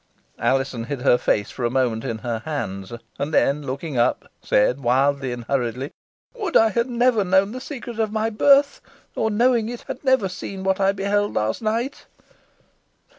Alizon hid her face for a moment in her hands; and then looking up, said wildly and hurriedly, "Would I had never known the secret of my birth; or, knowing it, had never seen what I beheld last night!"